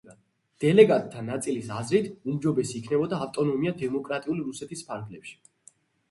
დელეგატთა ნაწილის აზრით, უმჯობესი იქნებოდა ავტონომია დემოკრატიული რუსეთის ფარგლებში.